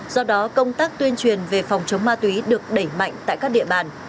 do đó công tác tuyên truyền về phòng chống ma túy được đẩy mạnh tại các địa bàn